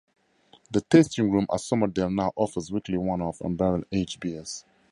The tasting room at Somerdale now offers weekly one-off and barrel aged beers.